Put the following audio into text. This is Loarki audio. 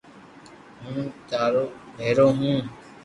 ھون ٿارو ڀآرو ھون